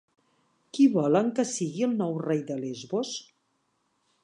Qui volen que sigui el nou rei de Lesbos?